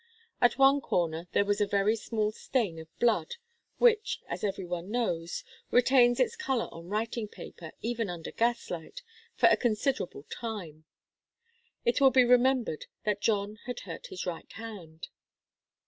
At one corner there was a very small stain of blood, which, as every one knows, retains its colour on writing paper, even under gas light, for a considerable time. It will be remembered that John had hurt his right hand.